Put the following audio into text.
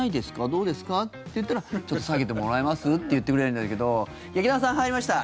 どうですか？って言ったらちょっと下げてもらえます？って言ってくれるんだけど劇団さん、入りました